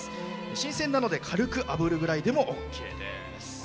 新鮮なので軽くあぶるぐらいでもオーケーです。